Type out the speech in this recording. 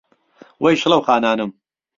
وهی شڵهو خانانم